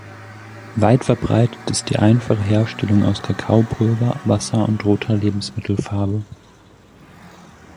Weit verbreitet ist die einfache Herstellung aus Kakaopulver, Wasser und roter Lebensmittelfarbe.